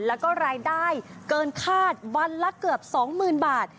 แล้วก็รายได้เกินคาดวันละเกือบ๒๐๐๐บาท